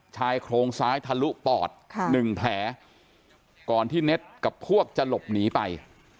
ชายโครงซ้ายทะลุปอด๑แผลก่อนที่เน็ตกับพวกจะหลบหนีไป